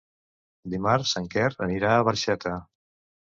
Dimarts en Quer anirà a Barxeta.